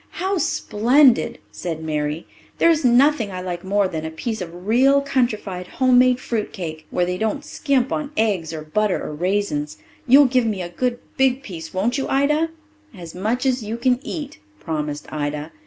"How splendid!" said Mary. "There's nothing I like more than a slice of real countrified home made fruit cake, where they don't scrimp on eggs or butter or raisins. You'll give me a good big piece, won't you, Ida?" "As much as you can eat," promised Ida.